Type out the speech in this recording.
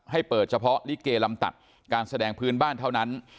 ให้เปิดเฉพาะลิเกลำตัดการแสดงพื้นบ้านเท่านั้น